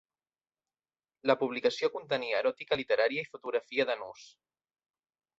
La publicació contenia eròtica literària i fotografia de nus.